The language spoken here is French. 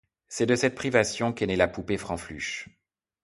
C'est de cette privation qu'est née la poupée Fanfreluche.